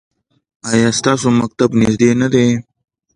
ایا ستاسو مکتب نږدې نه دی؟